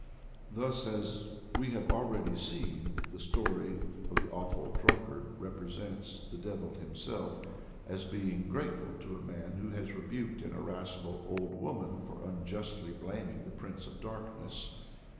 Thus, as we have already seen, the story of the Awful Drunkard represents the devil himself as being grateful to a man who has rebuked an irascible old woman for unjustly blaming the Prince of Darkness.